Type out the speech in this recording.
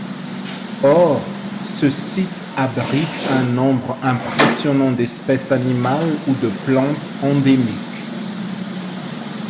Or, ce site abrite un nombre impressionnant d'espèces animales ou de plantes endémiques.